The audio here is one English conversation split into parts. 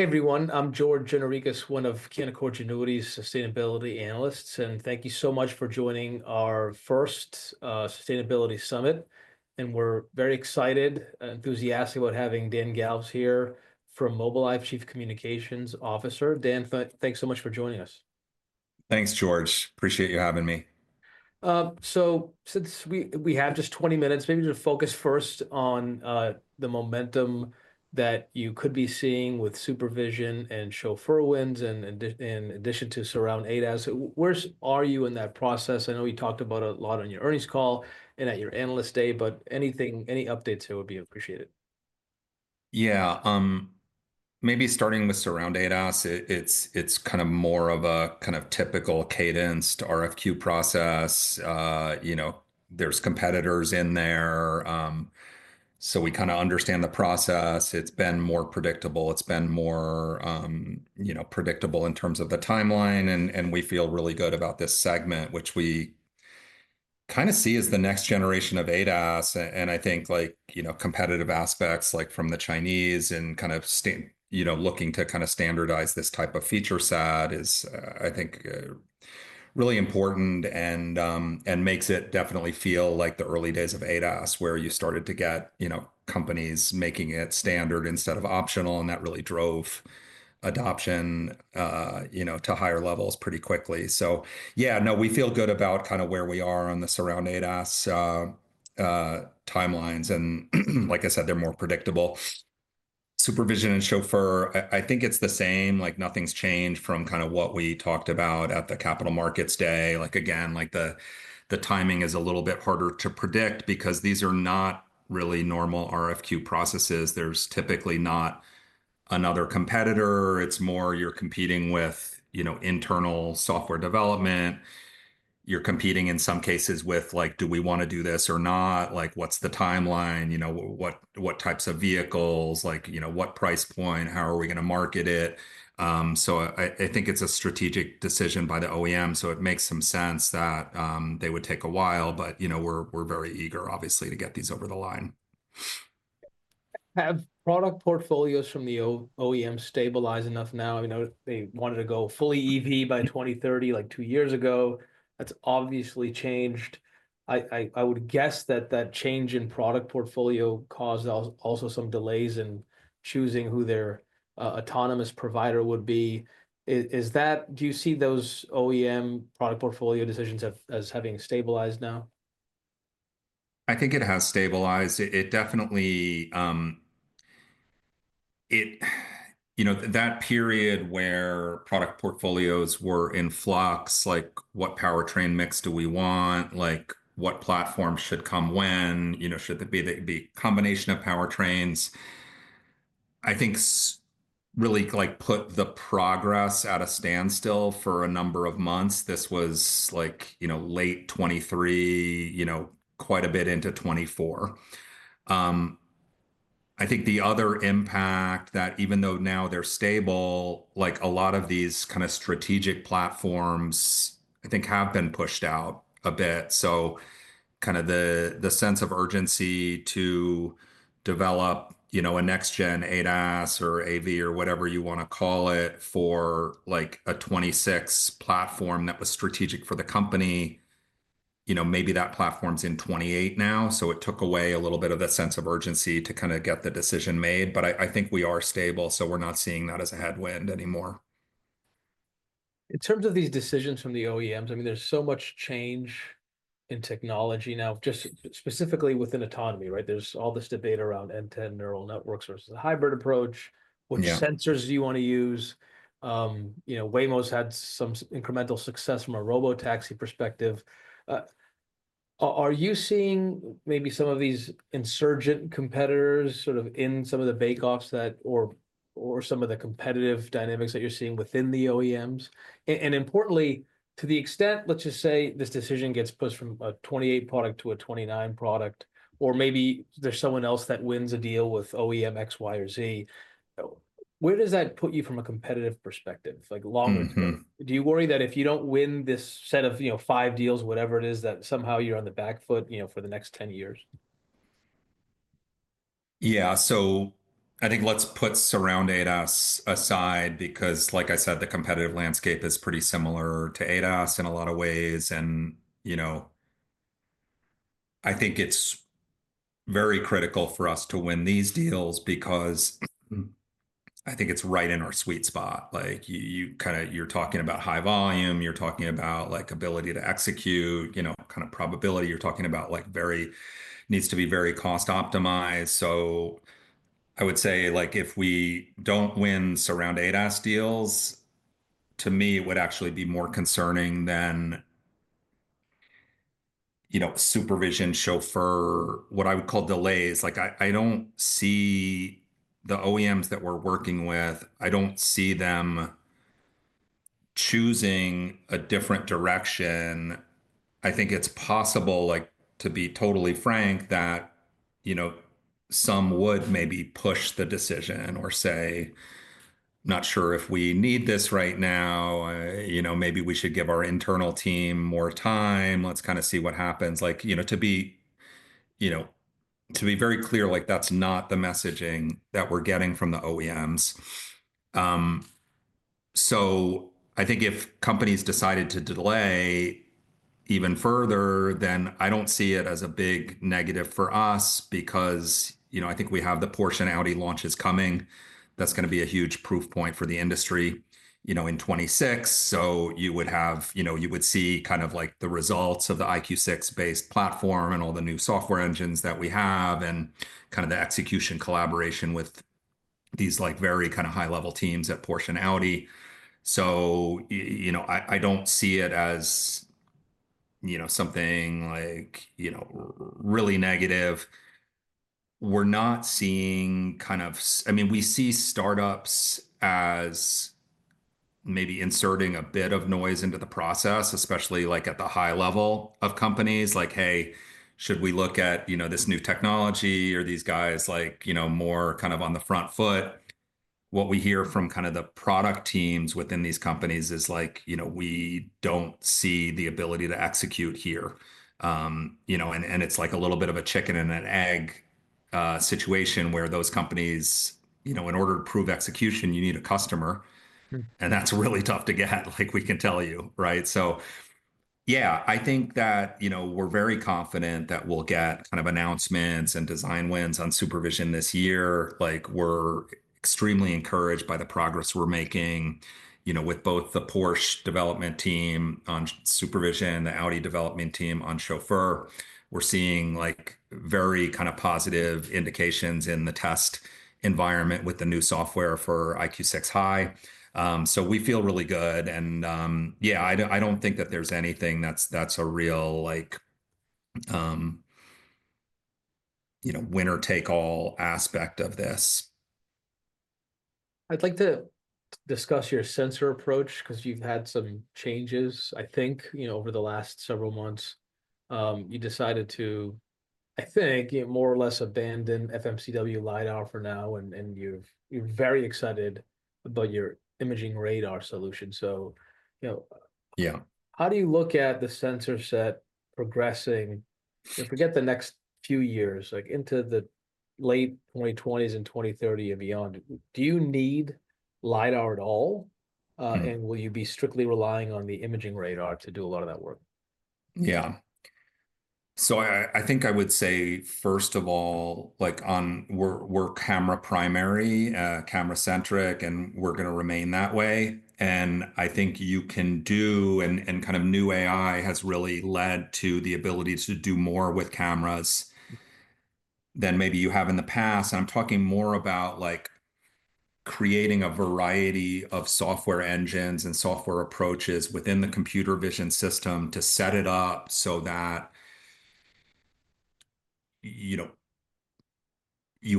Hey, everyone. I'm George Gianarikas, one of Canaccord Genuity's sustainability analysts, and thank you so much for joining our first sustainability summit, and we're very excited, enthusiastic about having Dan Galves here from Mobileye, Chief Communications Officer. Dan, thanks so much for joining us. Thanks, George. Appreciate you having me. So since we have just 20 minutes, maybe to focus first on the momentum that you could be seeing with SuperVision and Chauffeur wins in addition to Surround ADAS. Where are you in that process? I know we talked about it a lot on your earnings call and at your Analyst Day, but any updates there would be appreciated. Yeah, maybe starting with Surround ADAS, it's kind of more of a kind of typical cadence to RFQ process. There's competitors in there, so we kind of understand the process. It's been more predictable. It's been more predictable in terms of the timeline, and we feel really good about this segment, which we kind of see as the next generation of ADAS. And I think competitive aspects, like from the Chinese and kind of looking to kind of standardize this type of feature set, is, I think, really important and makes it definitely feel like the early days of ADAS, where you started to get companies making it standard instead of optional, and that really drove adoption to higher levels pretty quickly. So yeah, no, we feel good about kind of where we are on the Surround ADAS timelines. And like I said, they're more predictable. SuperVision and Chauffeur, I think it's the same. Nothing's changed from kind of what we talked about at the Capital Markets Day. Again, the timing is a little bit harder to predict because these are not really normal RFQ processes. There's typically not another competitor. It's more you're competing with internal software development. You're competing, in some cases, with, do we want to do this or not? What's the timeline? What types of vehicles? What price point? How are we going to market it? So I think it's a strategic decision by the OEM, so it makes some sense that they would take a while, but we're very eager, obviously, to get these over the line. Have product portfolios from the OEM stabilized enough now? I mean, they wanted to go fully EV by 2030, like two years ago. That's obviously changed. I would guess that that change in product portfolio caused also some delays in choosing who their autonomous provider would be. Do you see those OEM product portfolio decisions as having stabilized now? I think it has stabilized. That period where product portfolios were in flux, like what powertrain mix do we want? What platform should come when? Should it be a combination of powertrains? I think really put the progress at a standstill for a number of months. This was late 2023, quite a bit into 2024. I think the other impact that even though now they're stable, a lot of these kind of strategic platforms, I think, have been pushed out a bit. So kind of the sense of urgency to develop a next-gen ADAS or AV or whatever you want to call it for a 2026 platform that was strategic for the company, maybe that platform's in 2028 now. So it took away a little bit of that sense of urgency to kind of get the decision made. But I think we are stable, so we're not seeing that as a headwind anymore. In terms of these decisions from the OEMs, I mean, there's so much change in technology now, just specifically within autonomy, right? There's all this debate around end-to-end neural networks versus a hybrid approach. Which sensors do you want to use? Waymo's had some incremental success from a robotaxi perspective. Are you seeing maybe some of these insurgent competitors sort of in some of the bake-offs or some of the competitive dynamics that you're seeing within the OEMs? And importantly, to the extent, let's just say this decision gets pushed from a 2028 product to a 2029 product, or maybe there's someone else that wins a deal with OEM X, Y, or Z. Where does that put you from a competitive perspective? Do you worry that if you don't win this set of five deals, whatever it is, that somehow you're on the back foot for the next 10 years? Yeah. So I think let's put Surround ADAS aside because, like I said, the competitive landscape is pretty similar to ADAS in a lot of ways. And I think it's very critical for us to win these deals because I think it's right in our sweet spot. You're talking about high volume. You're talking about ability to execute, kind of probability. You're talking about needs to be very cost-optimized. So I would say if we don't win Surround ADAS deals, to me, it would actually be more concerning than SuperVision, Chauffeur, what I would call delays. I don't see the OEMs that we're working with. I don't see them choosing a different direction. I think it's possible, to be totally frank, that some would maybe push the decision or say, "Not sure if we need this right now. Maybe we should give our internal team more time. Let's kind of see what happens." To be very clear, that's not the messaging that we're getting from the OEMs. So I think if companies decided to delay even further, then I don't see it as a big negative for us because I think we have the Porsche Audi launches coming. That's going to be a huge proof point for the industry in 2026. So you would see kind of the results of the EyeQ6-based platform and all the new software engines that we have and kind of the execution collaboration with these very kind of high-level teams at Porsche and Audi. So I don't see it as something really negative. We're not seeing kind of, I mean, we see startups as maybe inserting a bit of noise into the process, especially at the high level of companies. Like, "Hey, should we look at this new technology or these guys more kind of on the front foot?" What we hear from kind of the product teams within these companies is, "We don't see the ability to execute here," and it's like a little bit of a chicken and an egg situation where those companies, in order to prove execution, you need a customer, and that's really tough to get, we can tell you, right? So yeah, I think that we're very confident that we'll get kind of announcements and design wins on SuperVision this year. We're extremely encouraged by the progress we're making with both the Porsche development team on SuperVision and the Audi development team on Chauffeur. We're seeing very kind of positive indications in the test environment with the new software for EyeQ6 High, so we feel really good. Yeah, I don't think that there's anything that's a real winner-take-all aspect of this. I'd like to discuss your sensor approach because you've had some changes, I think, over the last several months. You decided to, I think, more or less abandon FMCW LiDAR for now, and you're very excited about your Imaging Radar solution. So how do you look at the sensor set progressing? Forget the next few years, into the late 2020s and 2030 and beyond. Do you need LiDAR at all? And will you be strictly relying on the Imaging Radar to do a lot of that work? Yeah. So I think I would say, first of all, we're camera primary, camera-centric, and we're going to remain that way. And I think you can do, and kind of new AI has really led to the ability to do more with cameras than maybe you have in the past. And I'm talking more about creating a variety of software engines and software approaches within the computer vision system to set it up so that you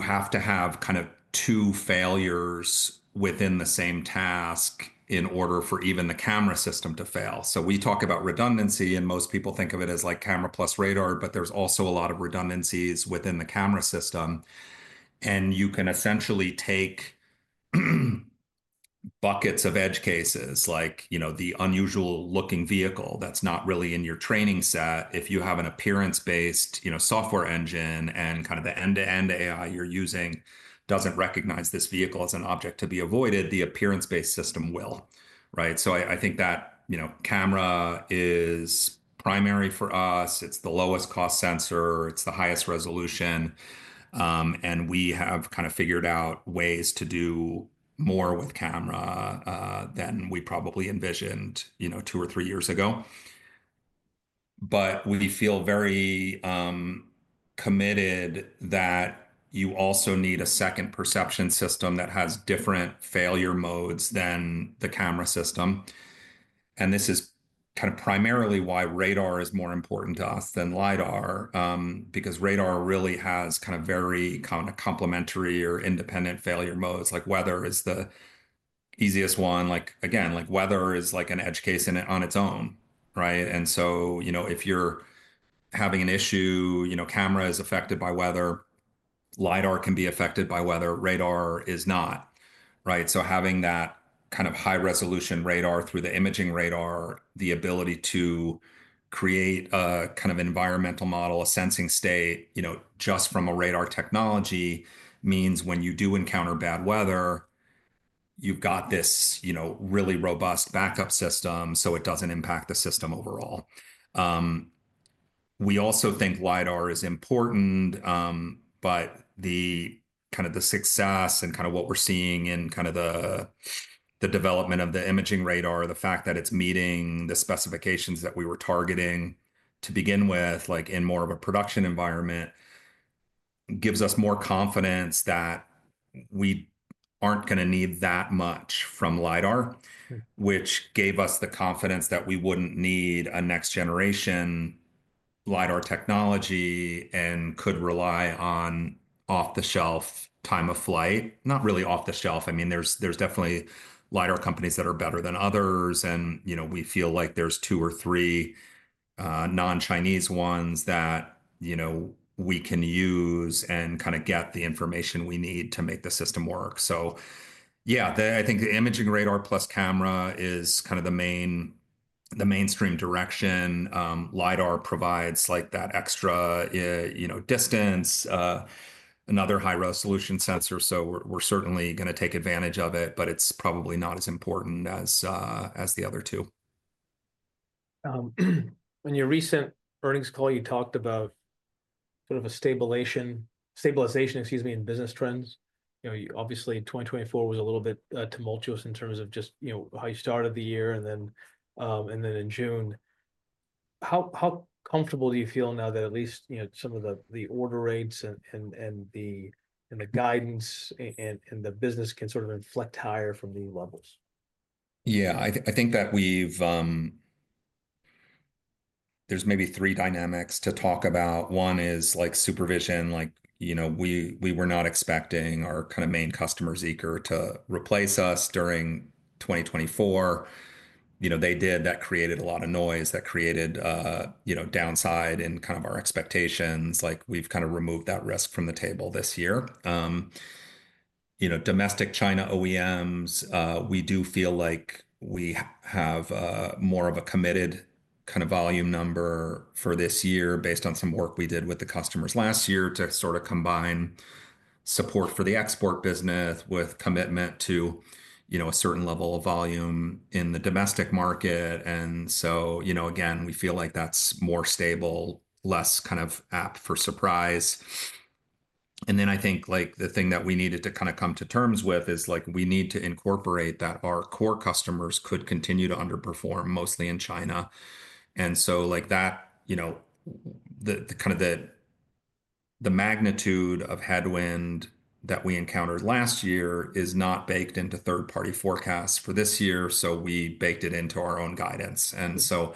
have to have kind of two failures within the same task in order for even the camera system to fail. So we talk about redundancy, and most people think of it as camera plus radar, but there's also a lot of redundancies within the camera system. And you can essentially take buckets of edge cases, like the unusual-looking vehicle that's not really in your training set. If you have an appearance-based software engine and kind of the end-to-end AI you're using doesn't recognize this vehicle as an object to be avoided, the appearance-based system will, right? So I think that camera is primary for us. It's the lowest-cost sensor. It's the highest resolution. And we have kind of figured out ways to do more with camera than we probably envisioned two or three years ago. But we feel very committed that you also need a second perception system that has different failure modes than the camera system. And this is kind of primarily why radar is more important to us than LiDAR, because radar really has kind of very complementary or independent failure modes. Weather is the easiest one. Again, weather is like an edge case on its own, right? And so if you're having an issue, camera is affected by weather. LiDAR can be affected by weather. Radar is not, right? So having that kind of high-resolution radar through the imaging radar, the ability to create a kind of environmental model, a sensing state just from a radar technology means when you do encounter bad weather, you've got this really robust backup system so it doesn't impact the system overall. We also think LiDAR is important, but kind of the success and kind of what we're seeing in kind of the development of the imaging radar, the fact that it's meeting the specifications that we were targeting to begin with in more of a production environment gives us more confidence that we aren't going to need that much from LiDAR, which gave us the confidence that we wouldn't need a next-generation LiDAR technology and could rely on off-the-shelf time of flight. Not really off-the-shelf. I mean, there's definitely LiDAR companies that are better than others and we feel like there's two or three non-Chinese ones that we can use and kind of get the information we need to make the system work. Yeah, I think the imaging radar plus camera is kind of the mainstream direction. LiDAR provides that extra distance, another high-resolution sensor. We're certainly going to take advantage of it, but it's probably not as important as the other two. On your recent earnings call, you talked about sort of a stabilization, excuse me, in business trends. Obviously, 2024 was a little bit tumultuous in terms of just how you started the year and then in June. How comfortable do you feel now that at least some of the order rates and the guidance and the business can sort of inflect higher from these levels? Yeah. I think that there's maybe three dynamics to talk about. One is SuperVision. We were not expecting our kind of main customer, Zeekr, to replace us during 2024. They did. That created a lot of noise. That created downside in kind of our expectations. We've kind of removed that risk from the table this year. Domestic China OEMs, we do feel like we have more of a committed kind of volume number for this year based on some work we did with the customers last year to sort of combine support for the export business with commitment to a certain level of volume in the domestic market, and so again, we feel like that's more stable, less kind of apt for surprise. And then I think the thing that we needed to kind of come to terms with is we need to incorporate that our core customers could continue to underperform mostly in China. And so kind of the magnitude of headwind that we encountered last year is not baked into third-party forecasts for this year. So we baked it into our own guidance. And so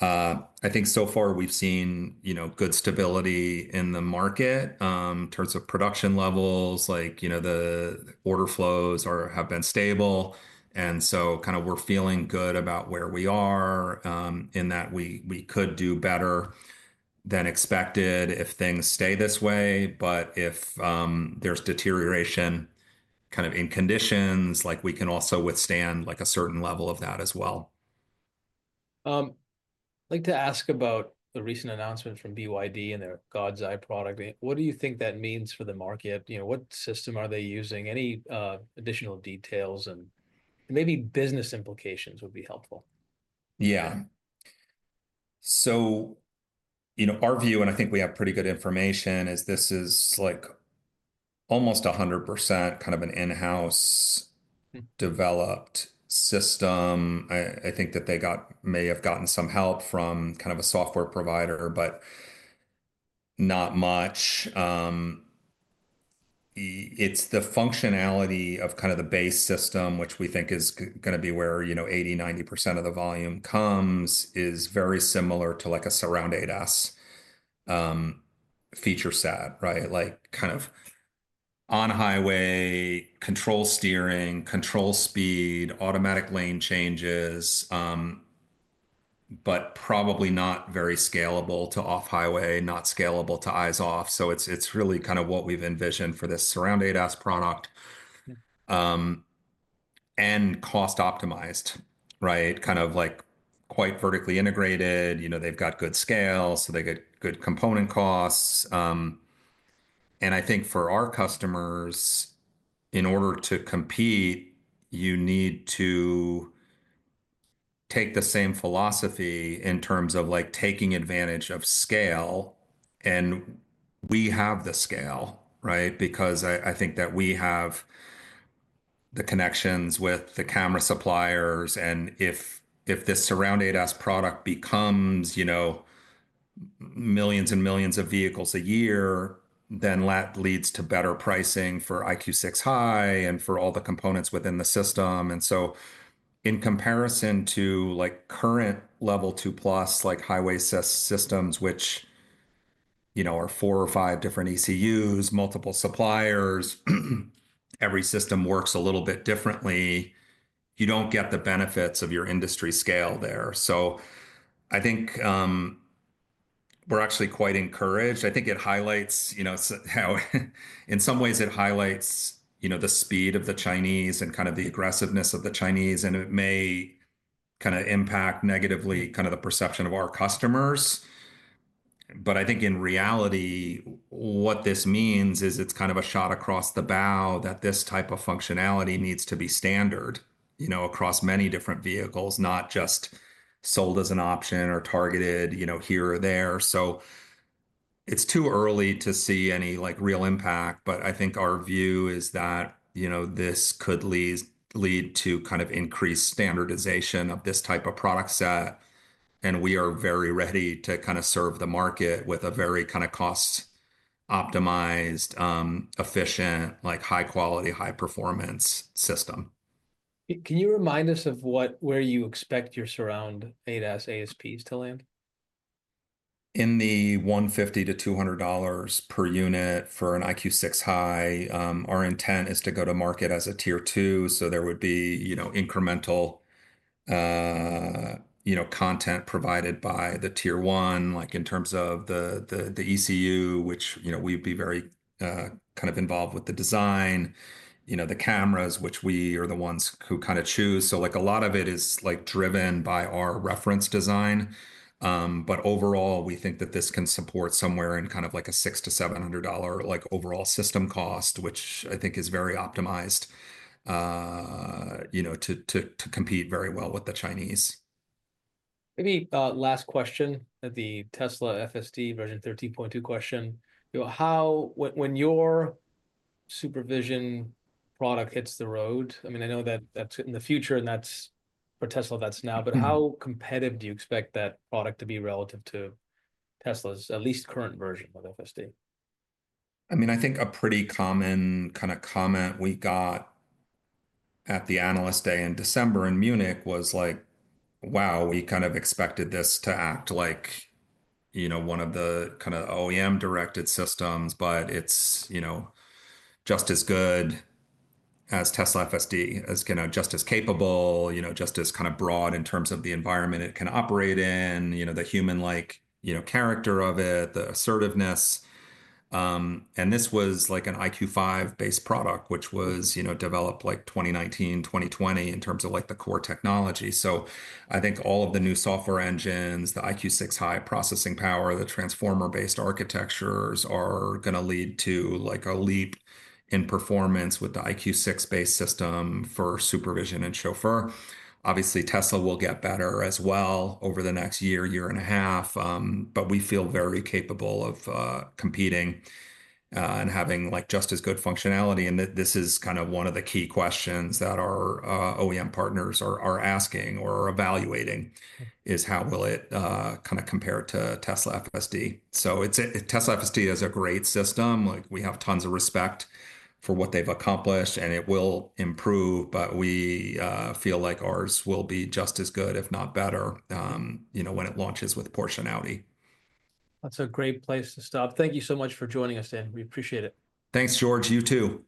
I think so far we've seen good stability in the market in terms of production levels. The order flows have been stable. And so kind of we're feeling good about where we are in that we could do better than expected if things stay this way. But if there's deterioration kind of in conditions, we can also withstand a certain level of that as well. I'd like to ask about the recent announcement from BYD and their God's Eye product. What do you think that means for the market? What system are they using? Any additional details and maybe business implications would be helpful. Yeah. So our view, and I think we have pretty good information, is this is almost 100% kind of an in-house developed system. I think that they may have gotten some help from kind of a software provider, but not much. It's the functionality of kind of the base system, which we think is going to be where 80%-90% of the volume comes, is very similar to a Surround ADAS feature set, right? Kind of on-highway, control steering, control speed, automatic lane changes, but probably not very scalable to off-highway, not scalable to eyes-off. So it's really kind of what we've envisioned for this Surround ADAS product and cost-optimized, right? Kind of quite vertically integrated. They've got good scale, so they get good component costs. And I think for our customers, in order to compete, you need to take the same philosophy in terms of taking advantage of scale. And we have the scale, right? Because I think that we have the connections with the camera suppliers. And if this Surround ADAS product becomes millions and millions of vehicles a year, then that leads to better pricing for EyeQ6 High and for all the components within the system. And so in comparison to current Level 2+ highway systems, which are four or five different ECUs, multiple suppliers, every system works a little bit differently, you don't get the benefits of your industry scale there. So I think we're actually quite encouraged. I think it highlights how, in some ways, it highlights the speed of the Chinese and kind of the aggressiveness of the Chinese. It may kind of impact negatively kind of the perception of our customers. But I think in reality, what this means is it's kind of a shot across the bow that this type of functionality needs to be standard across many different vehicles, not just sold as an option or targeted here or there. So it's too early to see any real impact. But I think our view is that this could lead to kind of increased standardization of this type of product set. And we are very ready to kind of serve the market with a very kind of cost-optimized, efficient, high-quality, high-performance system. Can you remind us of where you expect your Surround ADAS ASPs to land? In the $150-$200 per unit for an EyeQ6 High. Our intent is to go to market as a tier two. So there would be incremental content provided by the tier one, like in terms of the ECU, which we'd be very kind of involved with the design, the cameras, which we are the ones who kind of choose. So a lot of it is driven by our reference design. But overall, we think that this can support somewhere in kind of a $600-$700 overall system cost, which I think is very optimized to compete very well with the Chinese. Maybe last question, the Tesla FSD version 13.2 question. When your SuperVision product hits the road, I mean, I know that that's in the future, and for Tesla, that's now. But how competitive do you expect that product to be relative to Tesla's, at least current version of FSD? I mean, I think a pretty common kind of comment we got at the Analyst Day in December in Munich was like, "Wow, we kind of expected this to act like one of the kind of OEM-directed systems, but it's just as good as Tesla FSD, just as capable, just as kind of broad in terms of the environment it can operate in, the human-like character of it, the assertiveness." And this was like an EyeQ5-based product, which was developed like 2019, 2020 in terms of the core technology. So I think all of the new software engines, the EyeQ6 High processing power, the transformer-based architectures are going to lead to a leap in performance with the EyeQ6-based system for SuperVision and Chauffeur. Obviously, Tesla will get better as well over the next year, year and a half. But we feel very capable of competing and having just as good functionality. And this is kind of one of the key questions that our OEM partners are asking or evaluating is how will it kind of compare to Tesla FSD? So Tesla FSD is a great system. We have tons of respect for what they've accomplished, and it will improve. But we feel like ours will be just as good, if not better, when it launches with Porsche and Audi. That's a great place to stop. Thank you so much for joining us, Dan. We appreciate it. Thanks, George. You too.